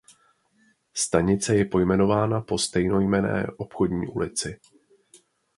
Stanice je pojmenována po stejnojmenné obchodní ulici.